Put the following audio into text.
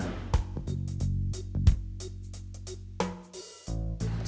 saya sudah cerai